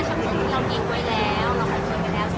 ช่องความหล่อของพี่ต้องการอันนี้นะครับ